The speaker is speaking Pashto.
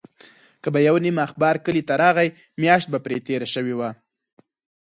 که به یو نیم اخبار کلي ته راغی، میاشت به پرې تېره شوې وه.